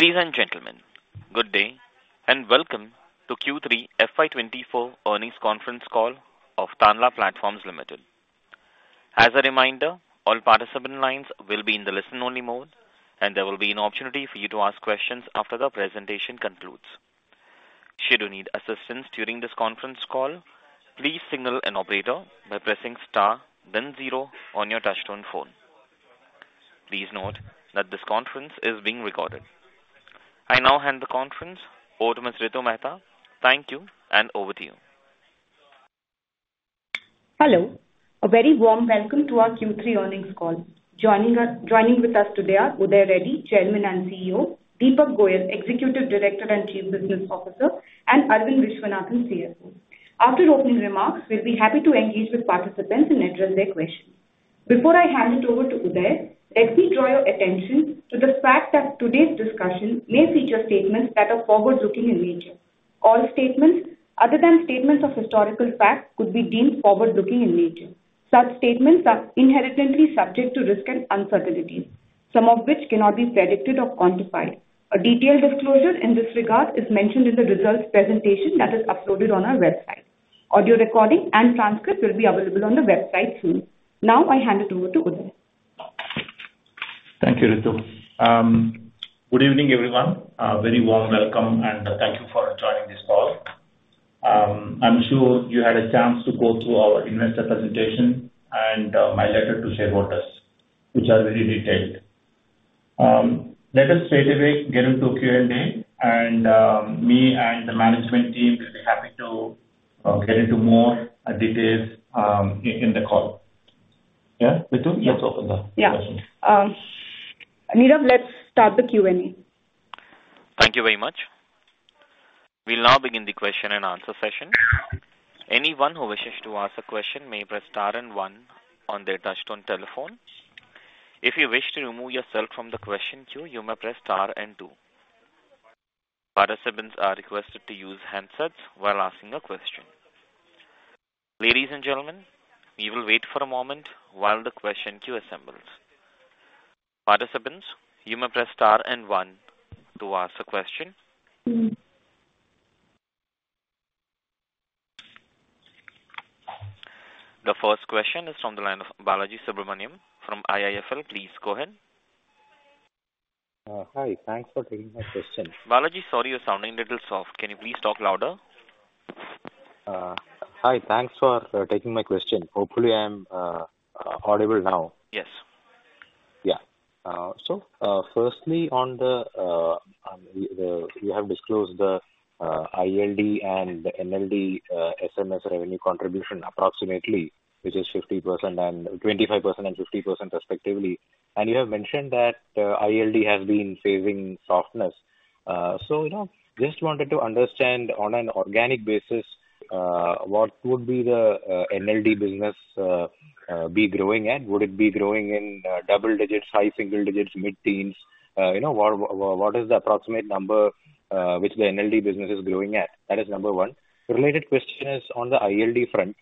Ladies and gentlemen, good day, and welcome to Q3 FY 2024 earnings conference call of Tanla Platforms Limited. As a reminder, all participant lines will be in the listen-only mode, and there will be an opportunity for you to ask questions after the presentation concludes. Should you need assistance during this conference call, please signal an operator by pressing star then zero on your touchtone phone. Please note that this conference is being recorded. I now hand the conference over to Ms. Ritu Mehta. Thank you, and over to you. Hello. A very warm welcome to our Q3 earnings call. Joining us, joining with us today are Uday Reddy, Chairman and CEO, Deepak Goyal, Executive Director and Chief Business Officer, and Aravind Viswanathan, CFO. After opening remarks, we'll be happy to engage with participants and address their questions. Before I hand it over to Uday, let me draw your attention to the fact that today's discussion may feature statements that are forward-looking in nature. All statements, other than statements of historical fact, could be deemed forward-looking in nature. Such statements are inherently subject to risk and uncertainty, some of which cannot be predicted or quantified. A detailed disclosure in this regard is mentioned in the results presentation that is uploaded on our website. Audio recording and transcript will be available on the website soon. Now, I hand it over to Uday. Thank you, Ritu. Good evening, everyone. A very warm welcome, and thank you for joining this call. I'm sure you had a chance to go through our investor presentation and my letter to shareholders, which are very detailed. Let us straightaway get into Q&A, and me and the management team will be happy to get into more details in the call. Yeah, Ritu, let's open the questions. Yeah. Nirav, let's start the Q&A. Thank you very much. We'll now begin the question and answer session. Anyone who wishes to ask a question may press star and one on their touchtone telephone. If you wish to remove yourself from the question queue, you may press star and two. Participants are requested to use handsets while asking a question. Ladies and gentlemen, we will wait for a moment while the question queue assembles. Participants, you may press star and one to ask a question. The first question is from the line of Balaji Subramanian from IIFL. Please go ahead. Hi, thanks for taking my question. Balaji, sorry, you're sounding a little soft. Can you please talk louder? Hi, thanks for taking my question. Hopefully, I'm audible now. Yes. Yeah. So, firstly, on the, the... You have disclosed the ILD and the NLD, SMS revenue contribution approximately, which is 50% and 25% and 50% respectively. And you have mentioned that, ILD has been facing softness. So, you know, just wanted to understand, on an organic basis, what would be the NLD business be growing at? Would it be growing in double digits, high single digits, mid-teens? You know, what is the approximate number which the NLD business is growing at? That is number one. The related question is on the ILD front.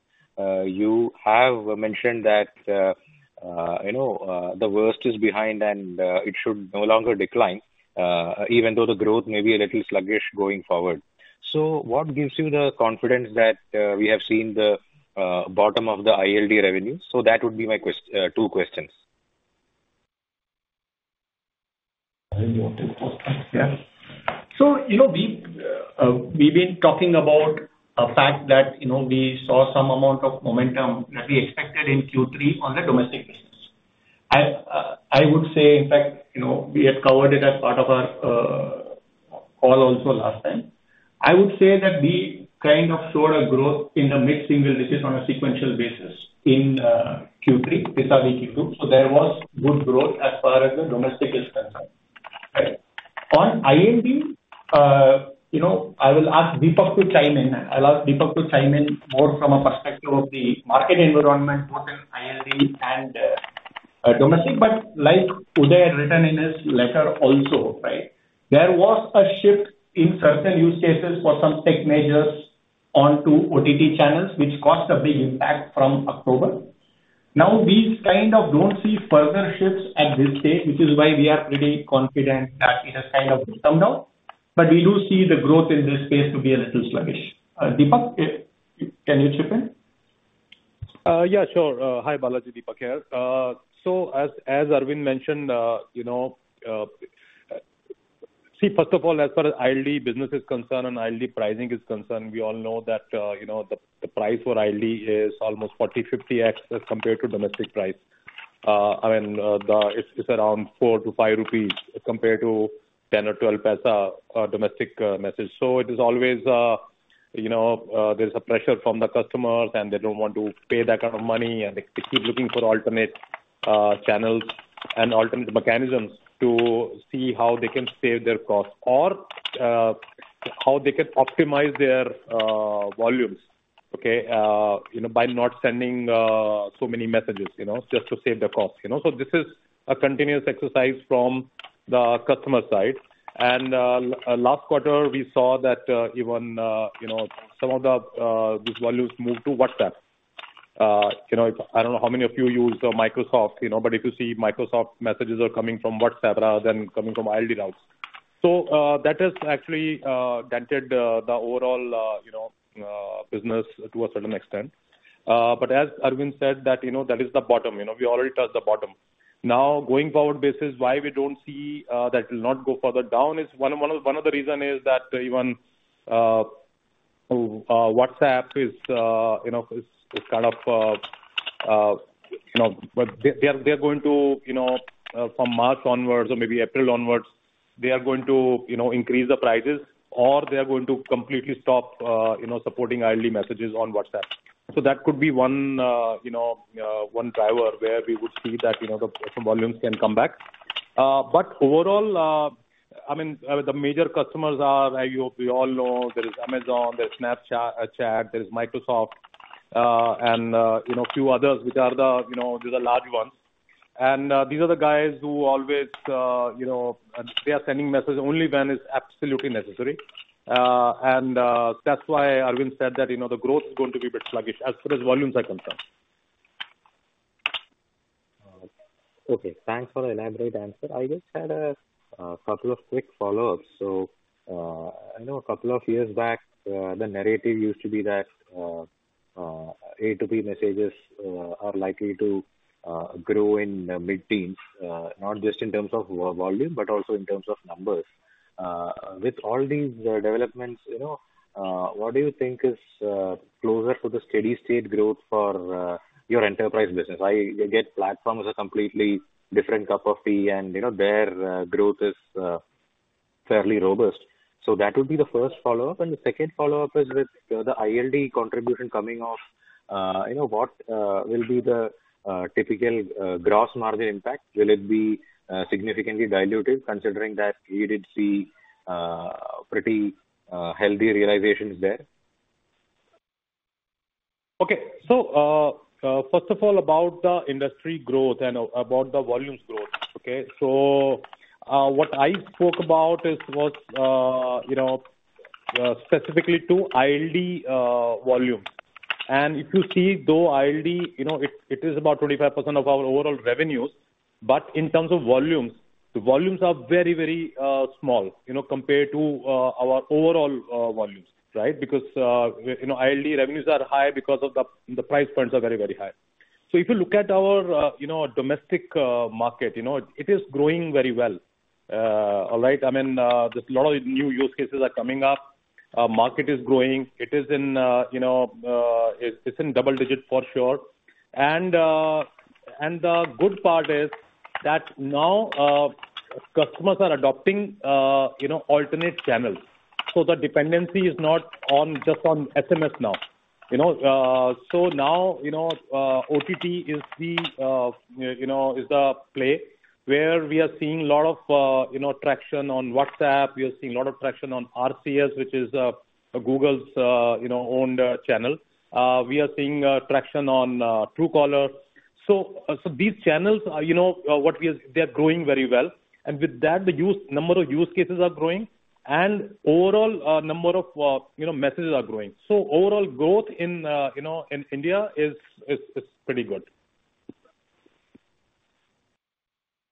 You have mentioned that, you know, the worst is behind, and it should no longer decline, even though the growth may be a little sluggish going forward. So what gives you the confidence that we have seen the bottom of the ILD revenue? So that would be my two questions. I will take both questions, yeah. So, you know, we've been talking about a fact that, you know, we saw some amount of momentum that we expected in Q3 on the domestic business. I would say, in fact, you know, we have covered it as part of our call also last time. I would say that we kind of showed a growth in the mid-single digits on a sequential basis in Q3 vis-à-vis Q2. So there was good growth as far as the domestic is concerned, right? On ILD, you know, I will ask Deepak to chime in. I'll ask Deepak to chime in more from a perspective of the market environment more than ILD and domestic. But like Uday had written in his letter also, right, there was a shift in certain use cases for some tech majors onto OTT channels, which caused a big impact from October. Now, we kind of don't see further shifts at this stage, which is why we are pretty confident that it has kind of settled down, but we do see the growth in this space to be a little sluggish. Deepak, can you chip in? Yeah, sure. Hi, Balaji, Deepak here. So as Aravind mentioned, you know, see, first of all, as far as ILD business is concerned and ILD pricing is concerned, we all know that, you know, the price for ILD is almost 40-50x as compared to domestic price. I mean, it's around 4-5 rupees compared to 10 or 12 paisa, domestic message. So it is always, you know, there's a pressure from the customers, and they don't want to pay that kind of money, and they, they keep looking for alternate, channels and alternate mechanisms to see how they can save their costs or, how they can optimize their, volumes, okay, you know, by not sending, so many messages, you know, just to save the cost, you know? So this is a continuous exercise from the customer side. And, last quarter, we saw that, even, you know, some of the these volumes moved to WhatsApp. You know, I don't know how many of you use Microsoft, you know, but if you see Microsoft messages are coming from WhatsApp rather than coming from ILD routes. So, that has actually dented the overall business to a certain extent. But as Aravind said that, you know, that is the bottom, you know, we already touched the bottom. Now, going forward basis, why we don't see that will not go further down is one of the reasons is that even WhatsApp is, you know, is kind of, but they are going to, you know, from March onwards or maybe April onwards, they are going to, you know, increase the prices or they are going to completely stop supporting ILD messages on WhatsApp. So that could be one, you know, one driver where we would see that, you know, the some volumes can come back. But overall, I mean, the major customers are, I hope we all know there is Amazon, there's Snapchat, ShareChat, there is Microsoft, and, you know, few others, which are the, you know, the large ones. And, these are the guys who always, you know, they are sending messages only when it's absolutely necessary. And, that's why Aravind said that, you know, the growth is going to be a bit sluggish as far as volumes are concerned. Okay, thanks for the elaborate answer. I just had a couple of quick follow-ups. So, I know a couple of years back, the narrative used to be that ATP messages are likely to grow in the mid-teens, not just in terms of volume, but also in terms of numbers. With all these developments, you know, what do you think is closer to the steady-state growth for your enterprise business? I get platforms are completely different cup of tea, and, you know, their growth is fairly robust. So that would be the first follow-up. And the second follow-up is with the ILD contribution coming off, you know, what will be the typical gross margin impact? Will it be significantly diluted, considering that we did see pretty healthy realizations there? Okay. So, first of all, about the industry growth and about the volume growth, okay? So, what I spoke about is, was, you know, specifically to ILD volume. And if you see, though, ILD, you know, it is about 25% of our overall revenues, but in terms of volumes, the volumes are very, very small, you know, compared to our overall volumes, right? Because, you know, ILD revenues are high because of the price points are very, very high. So if you look at our, you know, domestic market, you know, it is growing very well. All right. I mean, there's a lot of new use cases are coming up. Our market is growing. It is in you know it's in double digits for sure. The good part is that now, customers are adopting, you know, alternate channels. So the dependency is not just on SMS now, you know? So now, you know, OTT is the play where we are seeing a lot of, you know, traction on WhatsApp. We are seeing a lot of traction on RCS, which is Google's owned channel. We are seeing traction on Truecaller. So these channels are, you know, what we are... They are growing very well. And with that, the number of use cases are growing and overall number of, you know, messages are growing. So overall growth in, you know, in India is pretty good.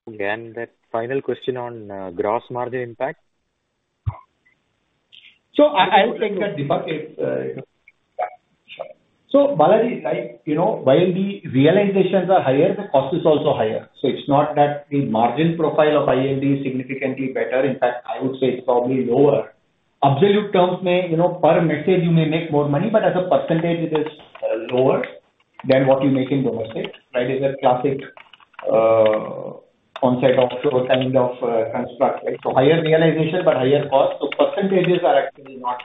The final question on gross margin impact. So I think that Deepak is. So, Balaji, like, you know, while the realizations are higher, the cost is also higher. So it's not that the margin profile of ILD is significantly better. In fact, I would say it's probably lower. Absolute terms may, you know, per message, you may make more money, but as a percentage, it is lower than what you make in domestic, right? It's a classic concept of, kind of, construct, right? So higher realization, but higher cost, so percentages are actually not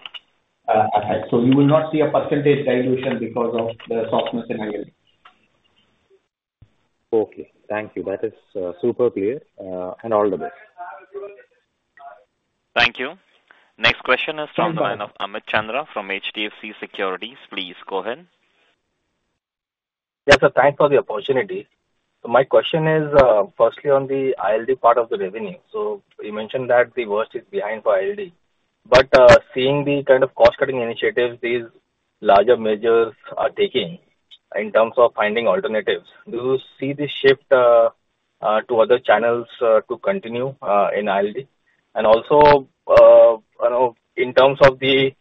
that high. So you will not see a percentage dilution because of the softness in ILD. Okay. Thank you. That is super clear, and all the best. Thank you. Next question is from line of Amit Chandra from HDFC Securities. Please go ahead. Yes, sir, thanks for the opportunity. So my question is, firstly on the ILD part of the revenue. So you mentioned that the worst is behind for ILD, but, seeing the kind of cost-cutting initiatives these larger measures are taking in terms of finding alternatives, do you see this shift to other channels to continue in ILD? And also, you know, in terms of the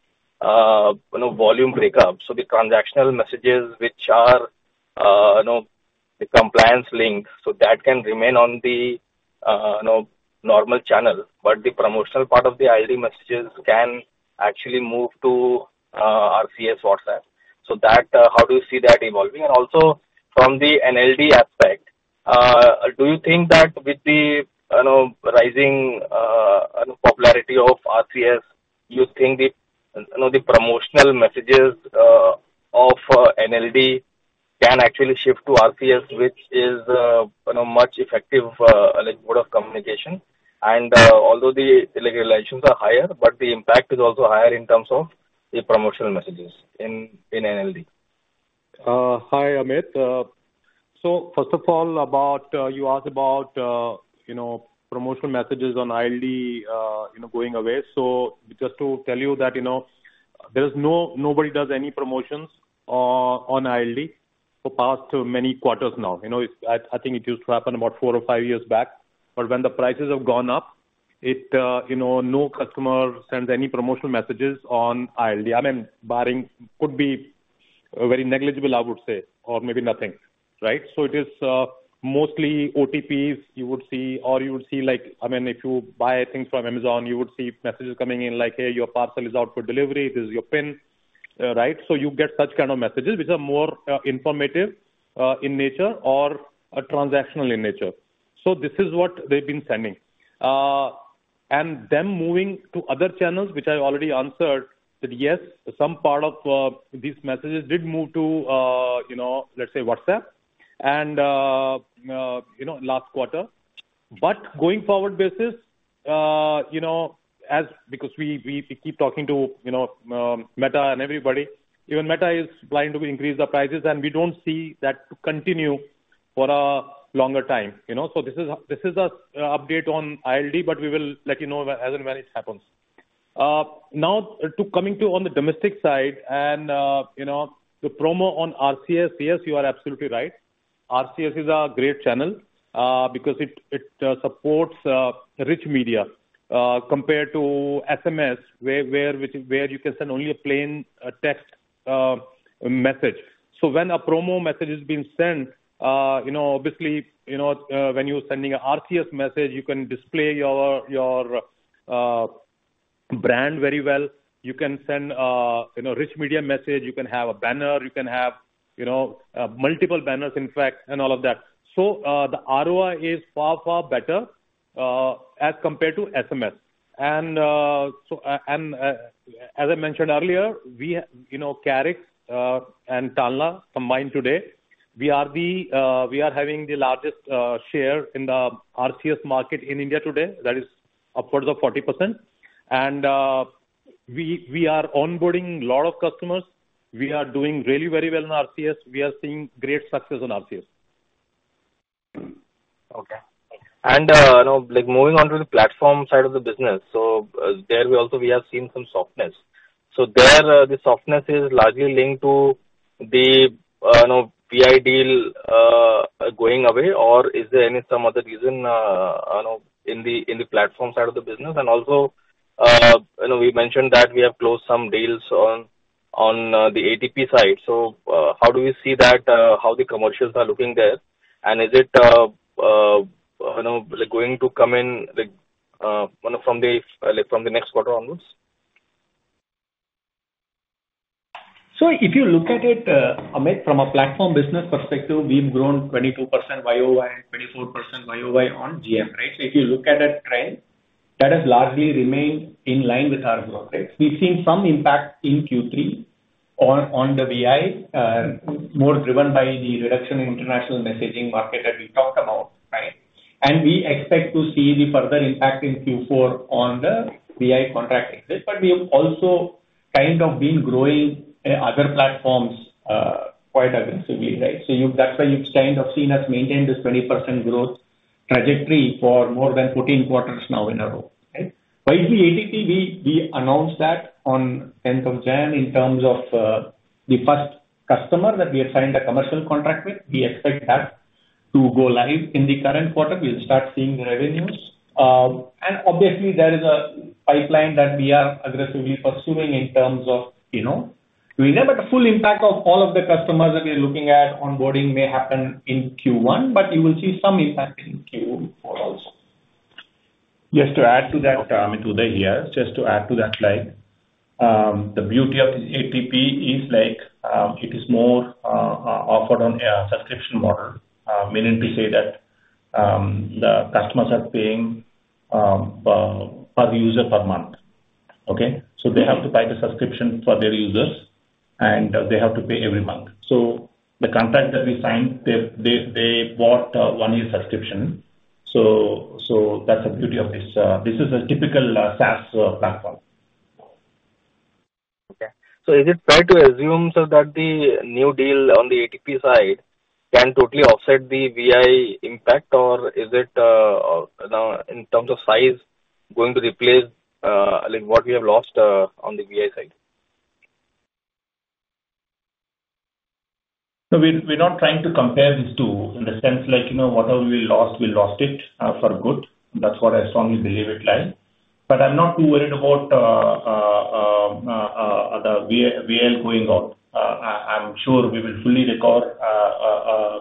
you know, volume breakup, so the transactional messages, which are you know, the compliance link, so that can remain on the you know, normal channel, but the promotional part of the ILD messages can actually move to RCS WhatsApp. So that, how do you see that evolving? And also from the NLD aspect, do you think that with the, you know, rising, you know, popularity of RCS, do you think the, you know, the promotional messages, of NLD can actually shift to RCS, which is, you know, much effective, like, mode of communication? And, although the, like, realizations are higher, but the impact is also higher in terms of the promotional messages in NLD. Hi, Amit. So first of all, about, you asked about, you know, promotional messages on ILD, you know, going away. So just to tell you that, you know, there is nobody does any promotions on, on ILD for past many quarters now. You know, I think it used to happen about four or five years back, but when the prices have gone up, you know, no customer sends any promotional messages on ILD. I mean, barring could be, very negligible, I would say, or maybe nothing, right? So it is, mostly OTPs you would see or you would see like, I mean, if you buy things from Amazon, you would see messages coming in like, "Hey, your parcel is out for delivery. This is your pin." Right? So you get such kind of messages, which are more, informative, in nature or transactional in nature. So this is what they've been sending. And them moving to other channels, which I already answered, that yes, some part of, these messages did move to, you know, let's say, WhatsApp, and, you know, last quarter. But going forward basis, you know, as because we, we, we keep talking to, you know, Meta and everybody. Even Meta is planning to increase the prices, and we don't see that to continue for a longer time, you know? So this is, this is the, update on ILD, but we will let you know as and when it happens. Now to coming to on the domestic side and, you know, the promo on RCS, yes, you are absolutely right. RCS is a great channel, because it supports rich media compared to SMS, where you can send only a plain text message. So when a promo message is being sent, you know, obviously, you know, when you're sending an RCS message, you can display your brand very well. You can send, you know, rich media message, you can have a banner, you can have, you know, multiple banners, in fact, and all of that. So the ROI is far, far better as compared to SMS. And so and as I mentioned earlier, we, you know, Karix and Tanla combined today, we are the we are having the largest share in the RCS market in India today. That is upwards of 40%. We are onboarding a lot of customers. We are doing really very well in RCS. We are seeing great success on RCS. Okay. And, you know, like, moving on to the platform side of the business. So, there we also have seen some softness. So there, the softness is largely linked to the, you know, Vi deal, going away, or is there any, some other reason, you know, in the, in the platform side of the business? And also, you know, we mentioned that we have closed some deals on, on, the ATP side. So, how do you see that, how the commercials are looking there? And is it, you know, like, going to come in, like, you know, from the, from the next quarter onwards? So if you look at it, Amit, from a platform business perspective, we've grown 22% YoY, 24% YoY on GM, right? So if you look at that trend, that has largely remained in line with our growth, right? We've seen some impact in Q3 on the VI, more driven by the reduction in international messaging market that we talked about, right? And we expect to see the further impact in Q4 on the Vi contract exit. But we have also kind of been growing other platforms quite aggressively, right? So that's why you've kind of seen us maintain this 20% growth trajectory for more than 14 quarters now in a row, right? Wisely ATP, we announced that on tenth of January in terms of the first customer that we have signed a commercial contract with. We expect that to go live in the current quarter. We'll start seeing the revenues. And obviously, there is a pipeline that we are aggressively pursuing in terms of, you know... Remember, the full impact of all of the customers that we're looking at onboarding may happen in Q1, but you will see some impact in Q4 also. Just to add to that, Amit, Uday here. Just to add to that, like, the beauty of this ATP is, like, it is more offered on a subscription model, meaning to say that, the customers are paying, per user per month. Okay? So they have to buy the subscription for their users, and they have to pay every month. So the contract that we signed, they bought a one-year subscription. So that's the beauty of this. This is a typical, SaaS, platform. Okay. So is it fair to assume, sir, that the new deal on the ATP side can totally offset the Vi impact, or is it, in terms of size, going to replace, like, what we have lost, on the Vi side? So we're not trying to compare these two in the sense like, you know, whatever we lost, we lost it for good. That's what I strongly believe like. But I'm not too worried about the VIL going off. I'm sure we will fully recover,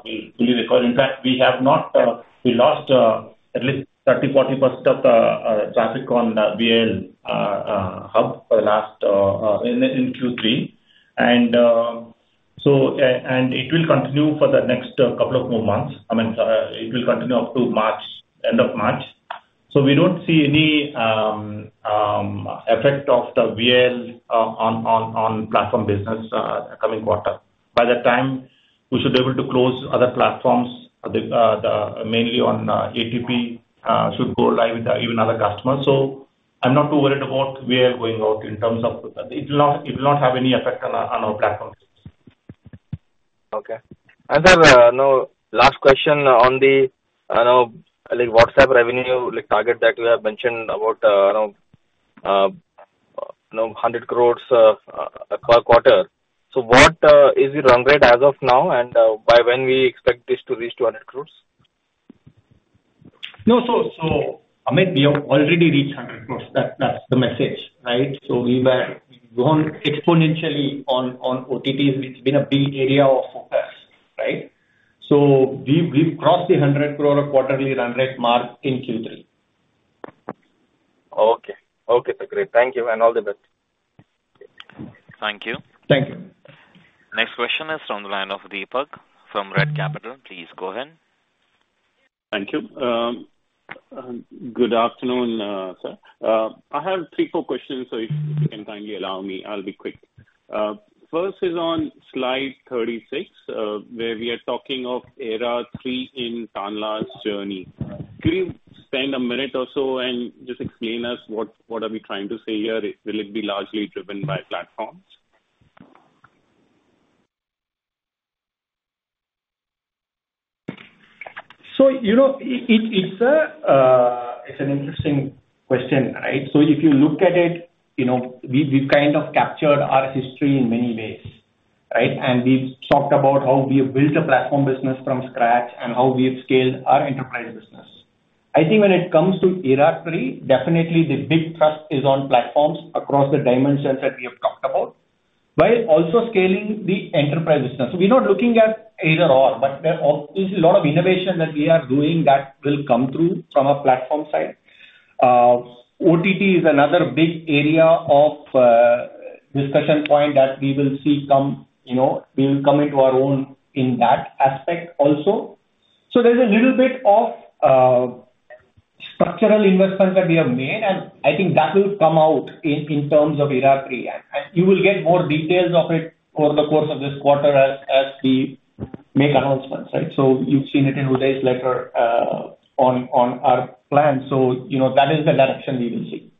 we'll fully recover. In fact, we lost at least 30%-40% of traffic on VIL hub in Q3. And so, it will continue for the next couple of more months. I mean, it will continue up to end of March. So we don't see any effect of the VIL on platform business coming quarter. By that time, we should be able to close other platforms. The mainly on ATP should go live with even other customers. So I'm not too worried about where going out in terms of that. It will not, it will not have any effect on our, on our platforms. Okay. And then, now, last question on the, I know, like, WhatsApp revenue, like, target that you have mentioned about, you know, you know, 100 crore per quarter. So what is the run rate as of now, and by when we expect this to reach 200 crore? No. So, Amit, we have already reached 100 crore. That's the message, right? So we were gone exponentially on OTT, it's been a big area of focus, right? So we've crossed the 100 crore quarterly run rate mark in Q3. Okay. Okay, great. Thank you, and all the best. Thank you. Thank you. Next question is from the line of Deepak from Red Capital. Please go ahead. Thank you. Good afternoon, sir. I have three, four questions, so if you can kindly allow me, I'll be quick. First is on slide 36, where we are talking of era three in Tanla's journey. Could you spend a minute or so and just explain us what, what are we trying to say here? Will it be largely driven by platforms? So, you know, it's an interesting question, right? If you look at it, you know, we've kind of captured our history in many ways, right? And we've talked about how we have built a platform business from scratch and how we have scaled our enterprise business. I think when it comes to era three, definitely the big thrust is on platforms across the dimensions that we have talked about, while also scaling the enterprise business. We're not looking at either/or, but there are obviously a lot of innovation that we are doing that will come through from a platform side. OTT is another big area of discussion point that we will see come, you know, we will come into our own in that aspect also. So there's a little bit of structural investments that we have made, and I think that will come out in terms of era three. And you will get more details of it over the course of this quarter as we make announcements, right? So you've seen it in Uday's letter on our plan. So, you know, that is the direction we will see.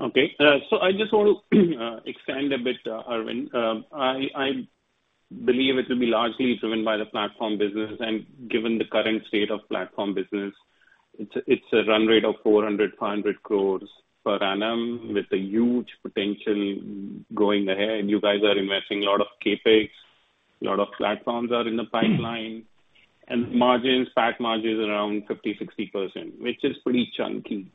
Okay. I just want to expand a bit, Aravind. I believe it will be largely driven by the platform business, and given the current state of platform business, it's a run rate of 400-500 crore per annum, with a huge potential going ahead. You guys are investing a lot of CapEx, a lot of platforms are in the pipeline, and margins, fat margins around 50%-60%, which is pretty chunky.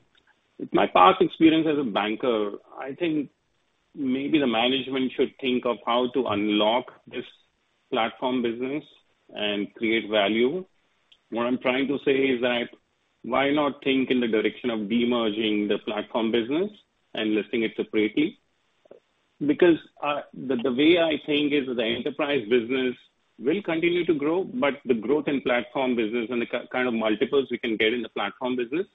With my past experience as a banker, I think maybe the management should think of how to unlock this platform business and create value. What I'm trying to say is that, why not think in the direction of demerging the platform business and listing it separately? Because the way I think is the enterprise business will continue to grow, but the growth in platform business and the kind of multiples we can get in the platform business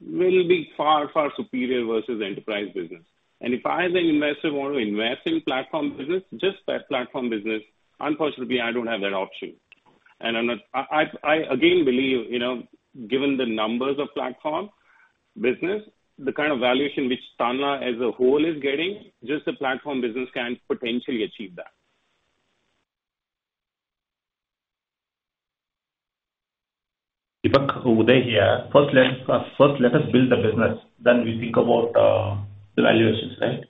will be far, far superior versus the enterprise business. And if I, as an investor, want to invest in platform business, just that platform business, unfortunately, I don't have that option. And I'm not... I again believe, you know, given the numbers of platform business, the kind of valuation which Tanla as a whole is getting, just the platform business can potentially achieve that. Deepak, Uday here. First, let us build the business, then we think about the valuations, right?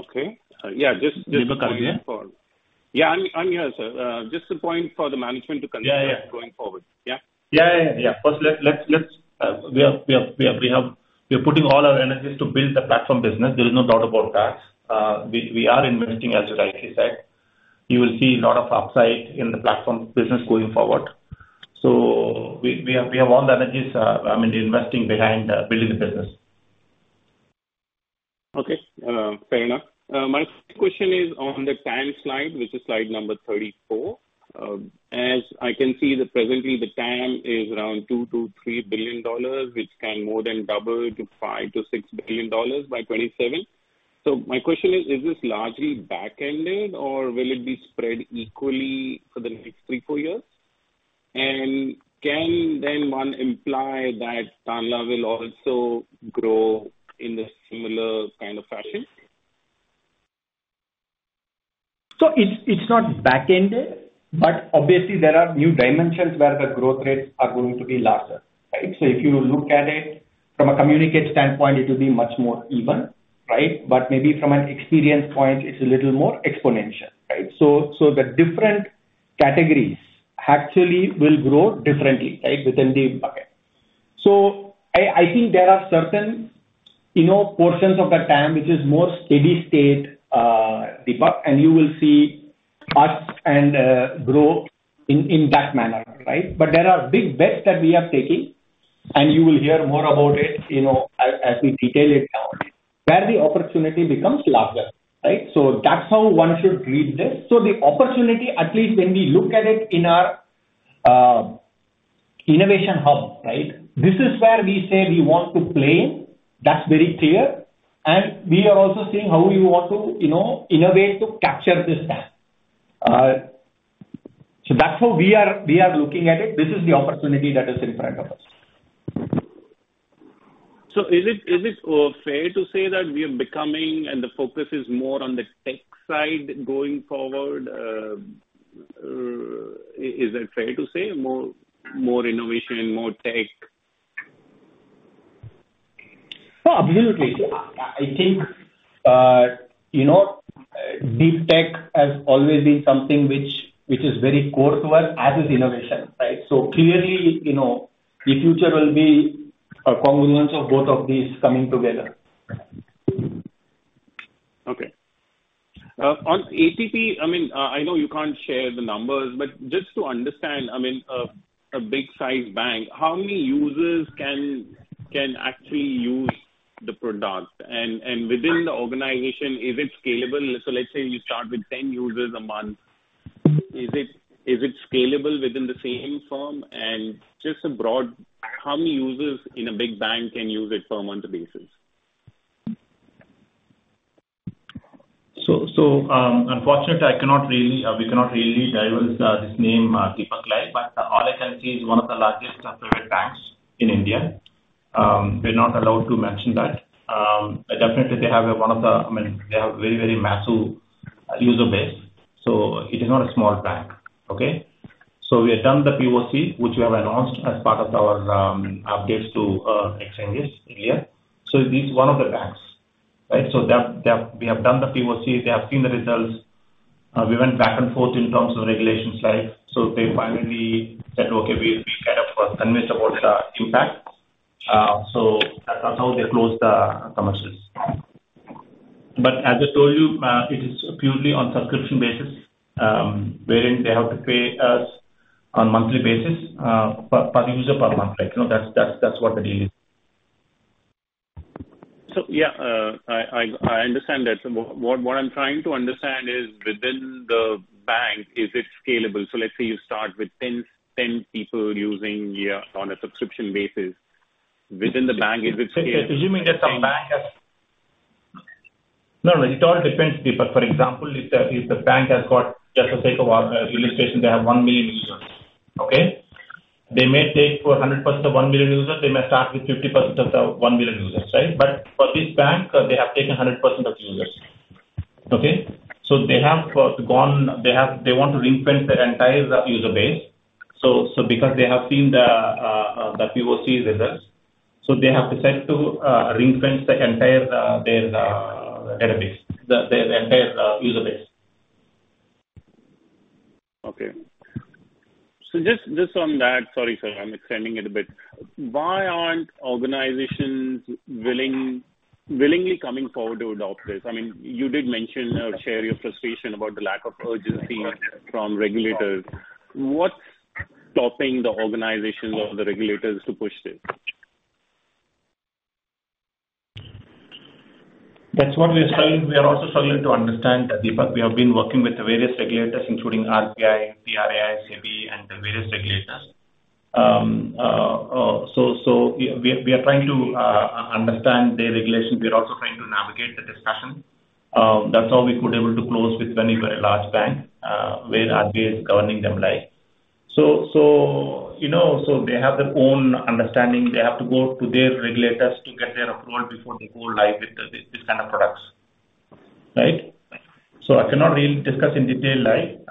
Okay. Yeah, just- Deepak, are you there? Yeah, I'm here, sir. Just a point for the management to consider- Yeah, yeah. going forward. Yeah? Yeah. First, we are putting all our energies to build the platform business. There is no doubt about that. We are investing, as you rightly said. You will see a lot of upside in the platform business going forward. So, we have all the energies, I mean, investing behind, building the business. Okay, fair enough. My question is on the TAM slide, which is slide number 34. As I can see that presently the TAM is around $2 billion-$3 billion, which can more than double to $5 billion-$6 billion by 2027. So my question is: Is this largely backended, or will it be spread equally for the next three to four years? And can then one imply that Tanla will also grow in a similar kind of fashion? So it's, it's not backended, but obviously there are new dimensions where the growth rates are going to be larger, right? So if you look at it from a communicate standpoint, it will be much more even, right? But maybe from an experience point, it's a little more exponential, right? So, so the different categories actually will grow differently, right, within the bucket. So I, I think there are certain, you know, portions of the TAM, which is more steady state, Deepak, and you will see us and grow in, in that manner, right? But there are big bets that we are taking, and you will hear more about it, you know, as, as we detail it out, where the opportunity becomes larger, right? So that's how one should read this. So the opportunity, at least when we look at it in our innovation hub, right? This is where we say we want to play. That's very clear. And we are also seeing how you want to, you know, innovate to capture this bank. So that's how we are, we are looking at it. This is the opportunity that is in front of us. So is it fair to say that we are becoming and the focus is more on the tech side going forward? Is that fair to say, more innovation, more tech? Oh, absolutely. I think, you know, big tech has always been something which is very core to us, as is innovation, right? So clearly, you know, the future will be a confluence of both of these coming together. Okay. On ATP, I mean, I know you can't share the numbers, but just to understand, I mean, a big-sized bank, how many users can actually use the product? And within the organization, is it scalable? So let's say you start with 10 users a month. Is it, is it scalable within the same firm? And just a broad, how many users in a big bank can use it firm on the basis? Unfortunately, I cannot really... we cannot really divulge this name, Deepak, like, but all I can say is one of the largest private banks in India. We're not allowed to mention that. But definitely they have one of the, I mean, they have very, very massive user base, so it is not a small bank. Okay? So we have done the POC, which we have announced as part of our updates to exchanges earlier. So this is one of the banks, right? So we have done the POC, they have seen the results. We went back and forth in terms of regulation side. So they finally said: Okay, we kind of are convinced about the impact. So that's how they closed the commercials. As I told you, it is purely on subscription basis, wherein they have to pay us on monthly basis, per user per month like, you know, that's, that's, that's what the deal is. So, I understand that. So what I'm trying to understand is within the bank, is it scalable? So let's say you start with 10 people using on a subscription basis. Within the bank, is it scale- Assuming that the bank has... No, no, it all depends, Deepak. For example, if the bank has got, just for sake of our illustration, they have 1 million users, okay? They may take for 100% of 1 million users, they may start with 50% of the 1 million users, right? But for this bank, they have taken 100% of users. Okay? So they have gone, they want to reprint their entire user base. So because they have seen the POC results, so they have decided to reprint the entire their database, their entire user base. Okay. So just, just on that, sorry, sir, I'm extending it a bit. Why aren't organizations willing- willingly coming forward to adopt this? I mean, you did mention or share your frustration about the lack of urgency from regulators. What's stopping the organizations or the regulators to push this? That's what we are struggling, we are also struggling to understand, Deepak. We have been working with the various regulators, including RBI, TRAI, SEBI, and the various regulators. We are trying to understand their regulations. We are also trying to navigate the discussion. That's how we were able to close with one very large bank, where RBI is governing them, like. So, you know, so they have their own understanding. They have to go to their regulators to get their approval before they go live with these kind of products. Right? So I cannot really discuss in detail, like,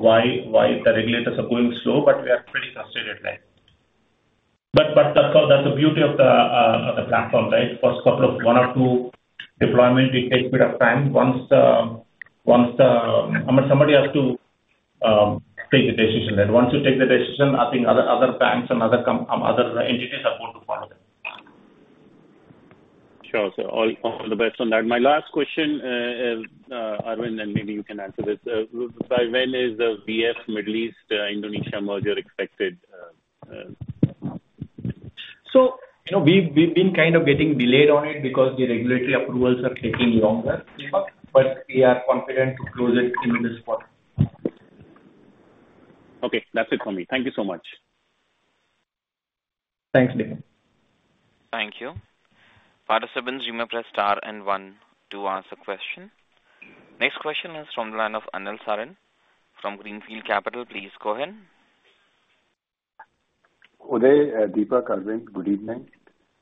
why the regulators are going slow, but we are pretty frustrated, right? But that's all, that's the beauty of the platform, right? First couple of one or two deployment, we take bit of time. Once the... I mean, somebody has to take the decision, and once you take the decision, I think other banks and other entities are going to follow. Sure, so all the best on that. My last question is Aravind, and maybe you can answer this. So when is the VF Middle East Indonesia merger expected? You know, we've been kind of getting delayed on it because the regulatory approvals are taking longer, Deepak, but we are confident to close it in this quarter. Okay, that's it for me. Thank you so much. Thanks, Deepak. Thank you. Participants, you may press star and one to ask a question. Next question is from the line of Anil Sarin from Greenfield Capital. Please go ahead. Uday, Deepak, Aravind, good evening.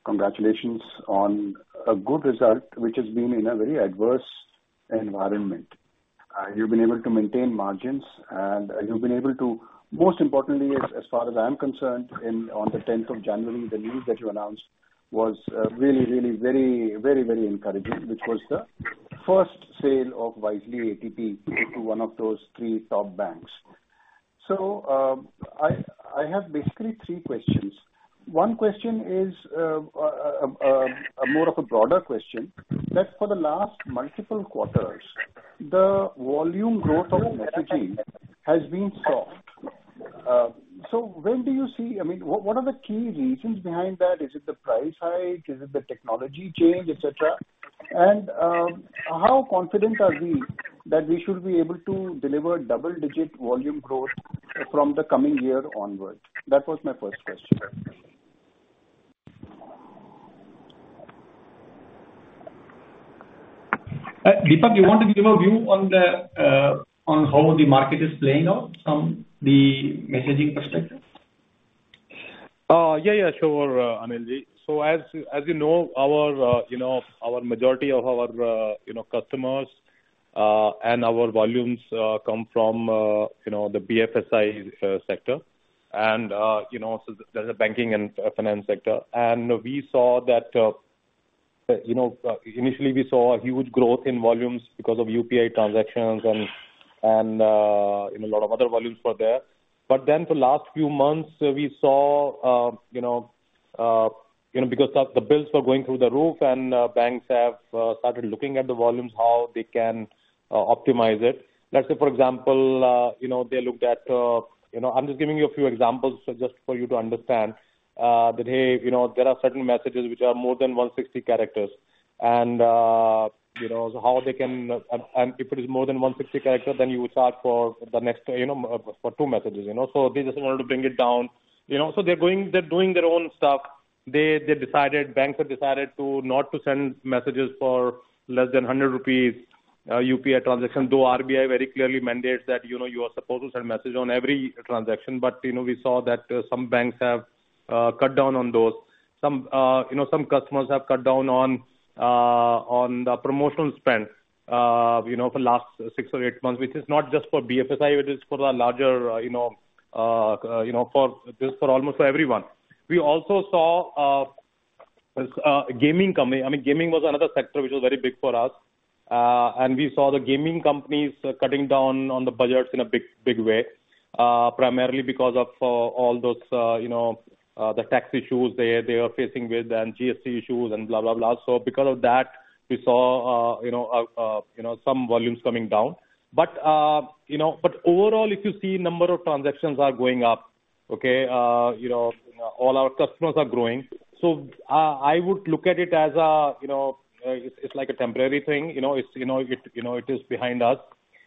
Congratulations on a good result, which has been in a very adverse environment. You've been able to maintain margins, and you've been able to... Most importantly, as far as I'm concerned, on the tenth of January, the news that you announced was really, really, very, very, very encouraging, which was the first sale of Wisely ATP to one of those three top banks. So, I have basically three questions. One question is more of a broader question. That for the last multiple quarters, the volume growth of messaging has been soft. So when do you see... I mean, what are the key reasons behind that? Is it the price hike? Is it the technology change, et cetera? And how confident are we-... That we should be able to deliver double-digit volume growth from the coming year onward. That was my first question. Deepak, you want to give a view on how the market is playing out from the messaging perspective? Yeah, yeah, sure, Anil. So as you know, our you know, our majority of our you know, customers and our volumes come from you know, the BFSI sector, and you know, so the banking and finance sector. And we saw that you know, initially we saw a huge growth in volumes because of UPI transactions and you know, a lot of other volumes were there. But then the last few months, we saw you know, because the bills were going through the roof and banks have started looking at the volumes, how they can optimize it. Let's say, for example, you know, they looked at you know, I'm just giving you a few examples just for you to understand. You know, there are certain messages which are more than 160 characters, and, you know, how they can... and if it is more than 160 characters, then you would charge for the next, you know, for two messages, you know? So they just wanted to bring it down, you know, so they're going, they're doing their own stuff. They, they decided, banks have decided to not send messages for less than 100 rupees UPI transaction, though RBI very clearly mandates that, you know, you are supposed to send message on every transaction. But, you know, we saw that some banks have cut down on those. Some, you know, some customers have cut down on, on the promotional spend, you know, for last six or eight months, which is not just for BFSI, it is for the larger, you know, you know, for, just for almost everyone. We also saw gaming company. I mean, gaming was another sector which was very big for us, and we saw the gaming companies cutting down on the budgets in a big, big way, primarily because of, all those, you know, the tax issues they are facing with and GST issues and blah, blah, blah. So because of that, we saw, you know, you know, some volumes coming down. But, you know, but overall, if you see number of transactions are going up, okay? You know, all our customers are growing. So, I would look at it as a, you know, it's like a temporary thing, you know, it is behind us.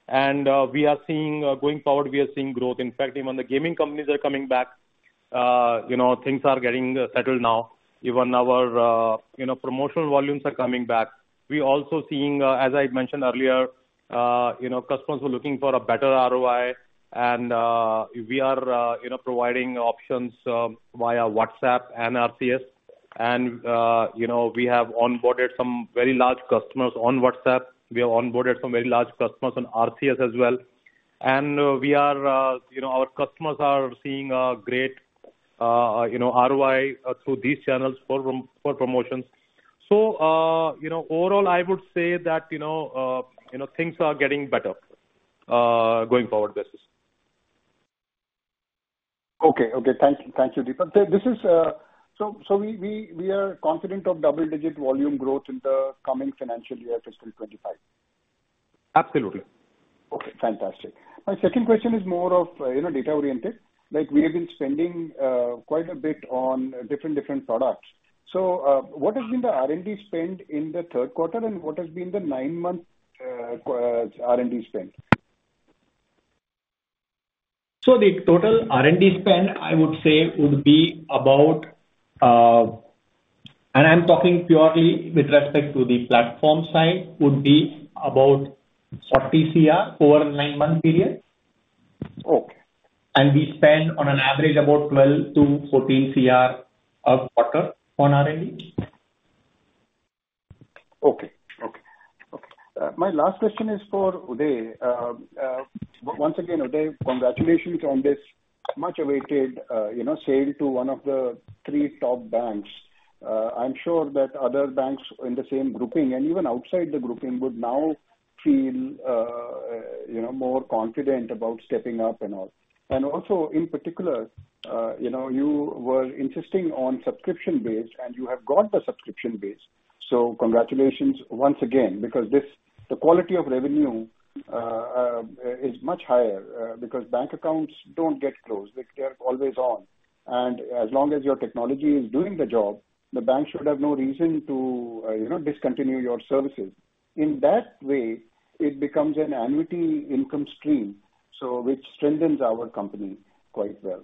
And, we are seeing, going forward, we are seeing growth. In fact, even the gaming companies are coming back, you know, things are getting settled now. Even our, you know, promotional volumes are coming back. We also seeing, as I mentioned earlier, you know, customers were looking for a better ROI and, we are, you know, providing options via WhatsApp and RCS. And, you know, we have onboarded some very large customers on WhatsApp. We have onboarded some very large customers on RCS as well. And we are, you know, our customers are seeing a great, you know, ROI through these channels for promotions. So, you know, overall, I would say that, you know, you know, things are getting better, going forward, this is. Okay. Okay, thank you. Thank you, Deepak. We are confident of double-digit volume growth in the coming financial year, fiscal 25? Absolutely. Okay, fantastic. My second question is more of, you know, data-oriented. Like, we have been spending quite a bit on different, different products. So, what has been the R&D spend in the Q3, and what has been the nine-month quarter R&D spend? So the total R&D spend, I would say, would be about, and I'm talking purely with respect to the platform side, would be about 40 crore over nine-month period. Okay. We spend on an average about 12 crore-14 crore a quarter on R&D. My last question is for Uday. Once again, Uday, congratulations on this much-awaited, you know, sale to one of the three top banks. I'm sure that other banks in the same grouping and even outside the grouping would now feel, you know, more confident about stepping up and all. And also, in particular, you know, you were insisting on subscription base, and you have got the subscription base. So congratulations once again, because this, the quality of revenue is much higher because bank accounts don't get closed, they're always on. And as long as your technology is doing the job, the bank should have no reason to, you know, discontinue your services. In that way, it becomes an annuity income stream, so which strengthens our company quite well.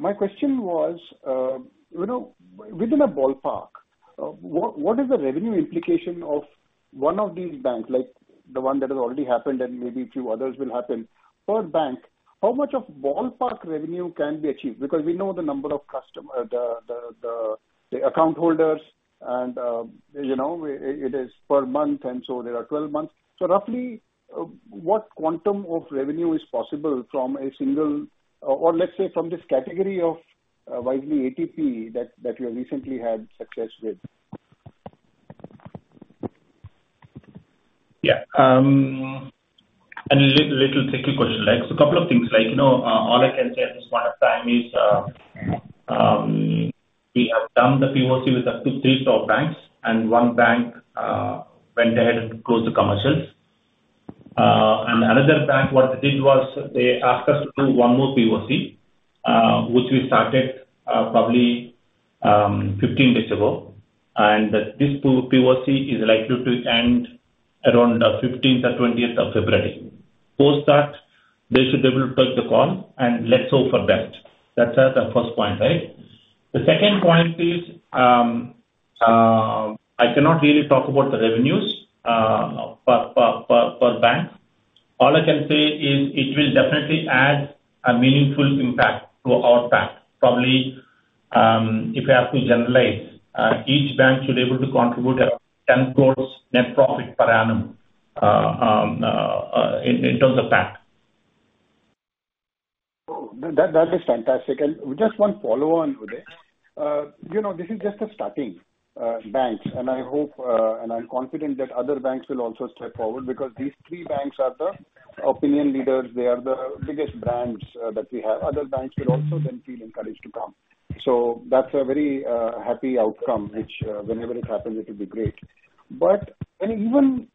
My question was, you know, within a ballpark, what, what is the revenue implication of one of these banks, like the one that has already happened and maybe a few others will happen? Per bank, how much of ballpark revenue can be achieved? Because we know the number of customer, the, the, the, the account holders and, you know, it, it is per month, and so there are 12 months. So roughly, what quantum of revenue is possible from a single, or let's say, from this category of, Wisely ATP that, that you recently had success with? Yeah. A little tricky question, like a couple of things, like, you know, all I can say at this point of time is, we have done the POC with up to three top banks, and one bank went ahead and closed the commercials. Another bank, what they did was they asked us to do one more POC, which we started, probably, 15 days ago, and this too POC is likely to end around the 15th or 20th of February. Post that, they should be able to take the call and let's hope for best. That's the first point, right? The second point is, I cannot really talk about the revenues per bank. All I can say is it will definitely add a meaningful impact to our bank. Probably, if you have to generalize, each bank should be able to contribute around 10 crore net profit per annum, in terms of bank. Oh, that, that is fantastic. Just one follow on with it. You know, this is just a starting bank, and I hope and I'm confident that other banks will also step forward because these three banks are the opinion leaders, they are the biggest brands that we have. Other banks will also then feel encouraged to come. That's a very happy outcome, which, whenever it happens, it will be great. But an even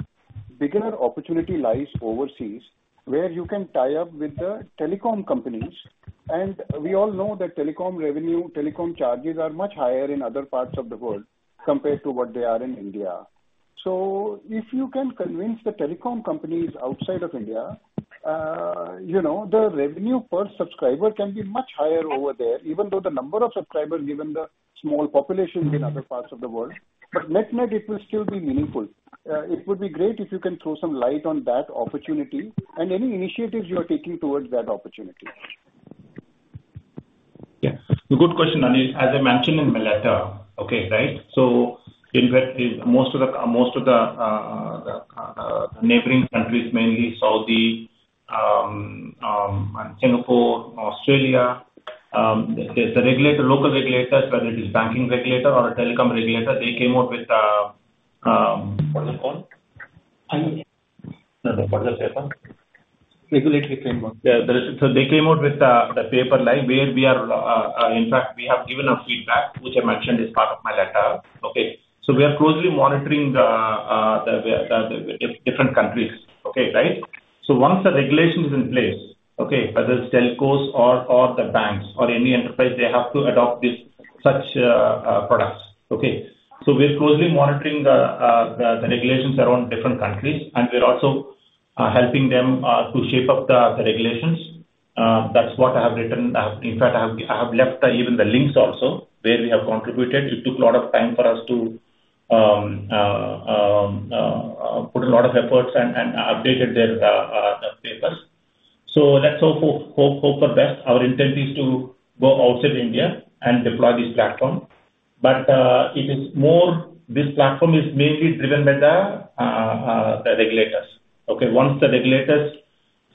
bigger opportunity lies overseas, where you can tie up with the telecom companies. And we all know that telecom revenue, telecom charges are much higher in other parts of the world compared to what they are in India. If you can convince the telecom companies outside of India, you know, the revenue per subscriber can be much higher over there, even though the number of subscribers, given the small population in other parts of the world, but net-net, it will still be meaningful. It would be great if you can throw some light on that opportunity and any initiatives you are taking towards that opportunity. Yeah. Good question, Anil. As I mentioned in my letter, okay, right? So in fact, most of the neighboring countries, mainly Saudi, Singapore, Australia, the local regulators, whether it is banking regulator or a telecom regulator, they came out with, On the call? What is paper? Regulatory framework. Yeah, so they came out with the paper like where we are. In fact, we have given our feedback, which I mentioned is part of my letter. Okay, so we are closely monitoring the different countries, okay, right? So once the regulation is in place, okay, whether it's telcos or the banks or any enterprise, they have to adopt this such products, okay? So we're closely monitoring the regulations around different countries, and we're also helping them to shape up the regulations. That's what I have written. In fact, I have left even the links also where we have contributed. It took a lot of time for us to put a lot of efforts and updated their papers. Let's hope for the best. Our intent is to go outside India and deploy this platform. This platform is mainly driven by the regulators. Once the regulators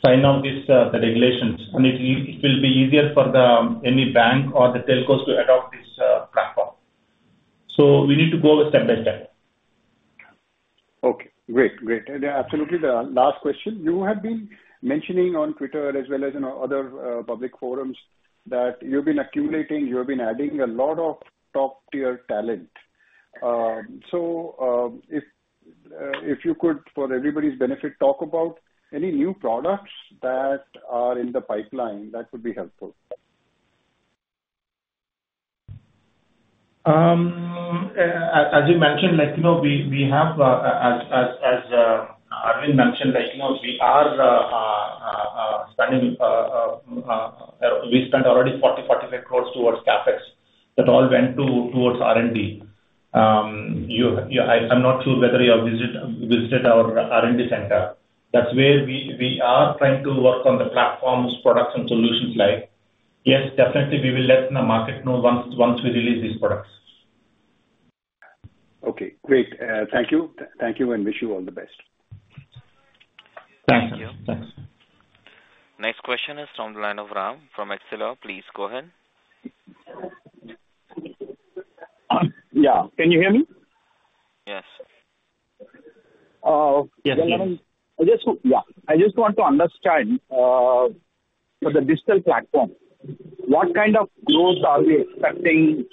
sign off the regulations, then it will be easier for any bank or the telcos to adopt this platform. We need to go step by step. Okay, great. Great. And absolutely, the last question: You have been mentioning on Twitter as well as in other public forums, that you've been accumulating, you have been adding a lot of top-tier talent. If you could, for everybody's benefit, talk about any new products that are in the pipeline, that would be helpful. As you mentioned, like, you know, we have, as Aravind mentioned, like, you know, we spent already 45 crores towards CapEx. That all went towards R&D. I'm not sure whether you have visited our R&D center. That's where we are trying to work on the platforms, products, and solutions. Yes, definitely we will let the market know once we release these products. Okay, great. Thank you. Thank you, and wish you all the best. Thank you. Thank you. Next question is from the line of Ram from ExcelR. Please go ahead. Yeah. Can you hear me? Yes. Uh- Yes, yes. I just want to understand, for the digital platform, what kind of growth are we expecting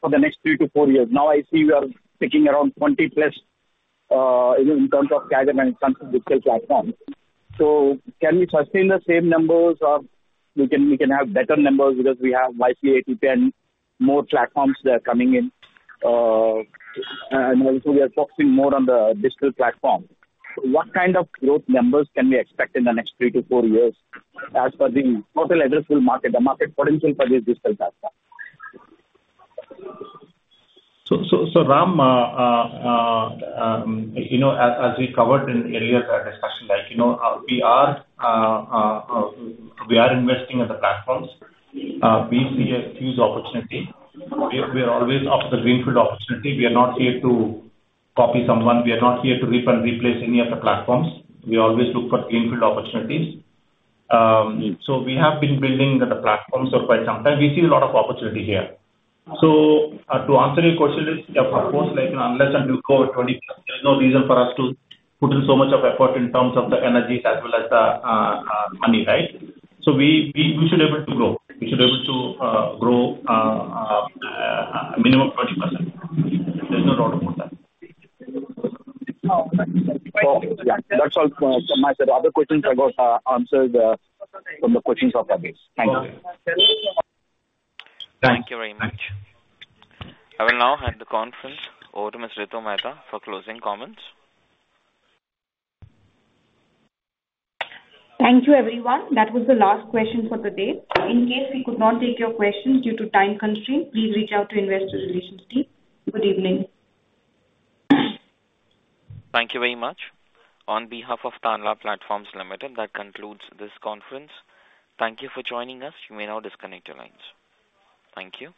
for the next three to four years? Now I see we are sticking around 20+, in terms of CAGR and in terms of digital platform. So can we sustain the same numbers, or we can have better numbers because we have Wisely ATP, more platforms that are coming in, and also we are focusing more on the digital platform. So what kind of growth numbers can we expect in the next three to four years as per the total addressable market, the market potential for this digital platform? So, Ram, you know, as we covered in earlier discussion, like, you know, we are investing in the platforms. We see a huge opportunity. We are always after the greenfield opportunity. We are not here to copy someone. We are not here to rip and replace any of the platforms. We always look for greenfield opportunities. So we have been building the platforms for quite some time. We see a lot of opportunity here. So, to answer your question, of course, like, unless until you go 20, there's no reason for us to put in so much of effort in terms of the energies as well as the money, right? So we should able to grow. We should able to grow minimum 20%. There's no doubt about that. Oh, so yeah, that's all. So my other questions are got, answered, from the questions of others. Thank you. Thank you very much. I will now hand the conference over to Ms. Ritu Mehta for closing comments. Thank you, everyone. That was the last question for the day. In case we could not take your question due to time constraint, please reach out to investor relations team. Good evening. Thank you very much. On behalf of Tanla Platforms Limited, that concludes this conference. Thank you for joining us. You may now disconnect your lines. Thank you.